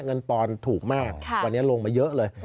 ปอนถูกมากวันนี้ลงมาเยอะเลย